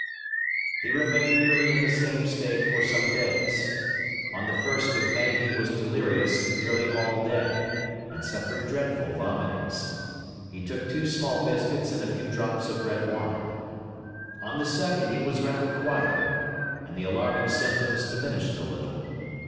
He remained nearly in the same state for some days. On the 1st of May he was delirious nearly all day, and suffered dreadful vomitings. He took two small biscuits and a few drops of red wine. On the 2d he was rather quieter, and the alarming symptoms diminished a little.